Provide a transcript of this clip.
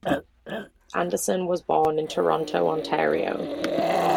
Anderson was born in Toronto, Ontario.